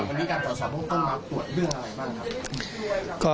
วันนี้การตรวจสอบเบื้องต้นมาตรวจเรื่องอะไรบ้างครับ